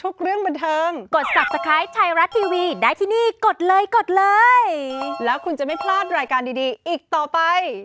เธอชอบให้เราเข้าเคียงภาพเบียร์ทำแต่ความดีทรงซ้อนหาเจ็ดสิบปีไม่เคยเหนื่อย